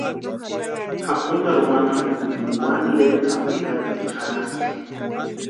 Japuntarhu wanamukutini wani ireta sapirhatiecha jarhasti.